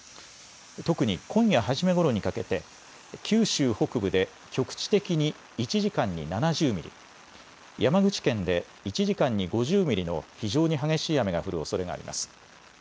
特に今夜初めごろにかけて九州北部で局地的に１時間に７０ミリ、山口県で１時間に５０ミリの非常に激しい雨が降るおそれがあります。